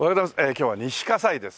今日は西西です。